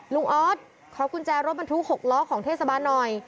ลุงออธขอบคุณแจรถบรรทุกหกล้อของเทศบาลหน่อย